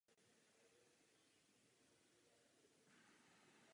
Otázkou zůstává, kam tímto způsobem dospějeme?